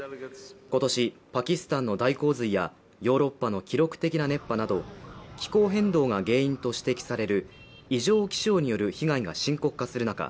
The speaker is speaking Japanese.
今年パキスタンの大洪水やヨーロッパの記録的な熱波など気候変動が原因と指摘される異常気象による被害が深刻化する中